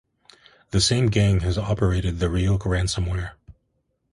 The same gang has operated the Ryuk ransomware.